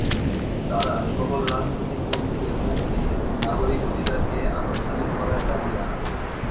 তারা সকল রাজনৈতিক বন্দিদের মুক্তি এবং নাগরিক অধিকারকে আনুষ্ঠানিক করার দাবি জানান।